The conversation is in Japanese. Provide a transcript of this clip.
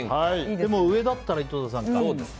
でも、上だったら井戸田さんか。